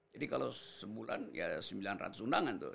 jadi kalau sebulan ya sembilan ratus undangan tuh